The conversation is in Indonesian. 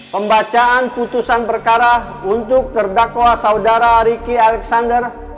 pembacaan putusan perkara untuk terdakwa saudara riki alexander